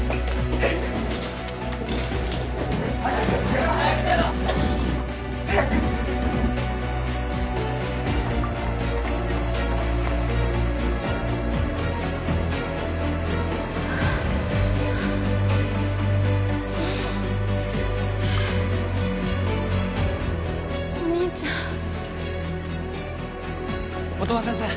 えお兄ちゃん音羽先生